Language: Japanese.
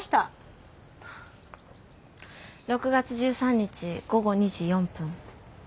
６月１３日午後２時４分。